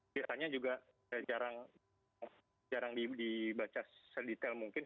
biasanya juga jarang dibaca sedetail mungkin